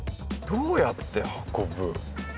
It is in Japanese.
どうやって運ぶ？